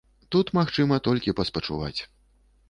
Тут магчыма толькі паспачуваць.